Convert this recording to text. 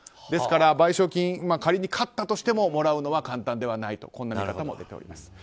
ですから、賠償金仮に勝ったとしてももらうのは簡単ではないとこんな見方もあるようです。